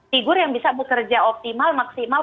figur yang bisa bekerja optimal maksimal